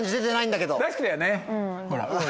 ほら。